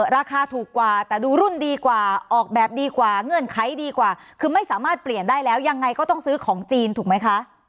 ราคาถูกกว่าแต่ดูรุ่นดีกว่าออกแบบดีกว่าเงื่อนไขดีกว่าคือไม่สามารถเปลี่ยนได้แล้วยังไงก็ต้องซื้อของจีนถูกไหมคะ